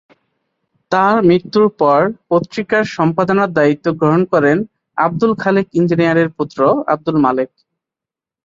তাঁর মৃত্যুর পর পত্রিকার সম্পাদনার দায়িত্ব গ্রহণ করেন আবদুল খালেক ইঞ্জিনিয়ারের পুত্র আবদুল মালেক।